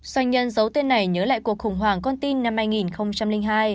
doanh nhân giấu tên này nhớ lại cuộc khủng hoảng con tin năm hai nghìn hai